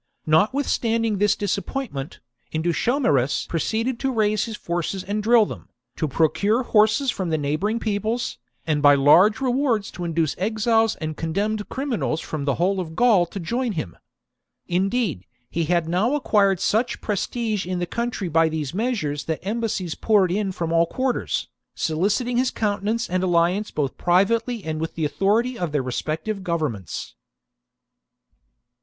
Not with^anding this disappointment, Indutiomarus proceeded to raise forces and drill them, to procure horses from the neighbouring peoples, and by large rewards to induce exiles and con demned criminals from the whole of Gaul to join him. Indeed, he had now acquired such prestige in the country by these measures that embassies poured in from all quarters, soliciting his countenance and alliance both privately and with the authority of their respective govern ments.